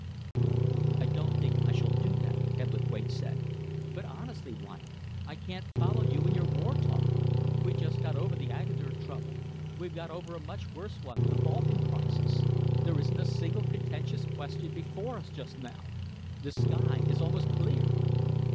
"I don't think I shall do that," Hebblethwaite said, "but honestly, Wyatt, I can't follow you in your war talk. We got over the Agadir trouble. We've got over a much worse one the Balkan crisis. There isn't a single contentious question before us just now. The sky is almost clear."